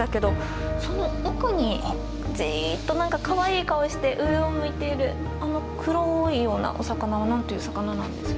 その奥にじっと何かかわいい顔して上を向いているあの黒いようなお魚は何という魚なんですか？